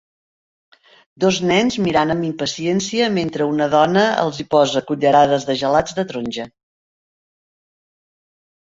Dos nens mirant amb impaciència mentre una dona els hi posa cullerades de gelats de taronja.